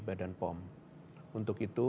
badan pom untuk itu